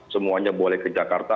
semuanya boleh ke jakarta